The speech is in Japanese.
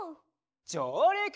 じょうりく！